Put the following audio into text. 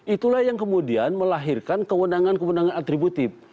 itulah yang kemudian melahirkan kewenangan kewenangan atributif